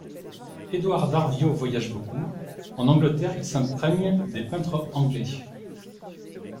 Édouard Darviot voyage beaucoup, en Angleterre il s'imprègne des peintres anglais.